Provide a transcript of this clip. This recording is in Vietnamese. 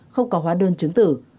không có hóa đơn chứng tử